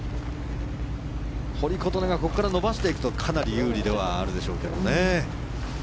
堀琴音がここから伸ばしていくとかなり有利ではあるでしょうけどね。